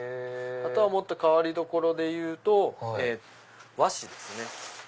あとはもっと変わりどころでいうと和紙ですね。